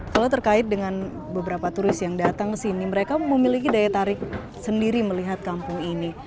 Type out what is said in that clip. kalau terkait dengan beberapa turis yang datang ke sini mereka memiliki daya tarik sendiri melihat kampung ini